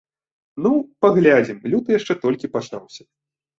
Ну, паглядзім, люты яшчэ толькі пачаўся.